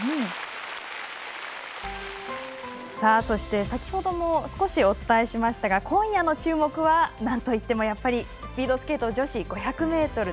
そして、先ほども少しお伝えしましたが今夜の注目はなんといってもスピードスケート女子５００ｍ。